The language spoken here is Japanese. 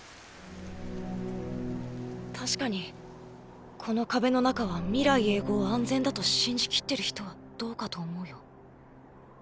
確かにこの壁の中は未来永劫安全だと信じきってる人はどうかと思うよ。